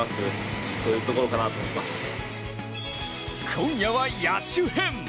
今夜は野手編。